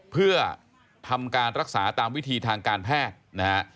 เพื่อทำการรักษาตามวิธีทางการแพทย์นะฮะ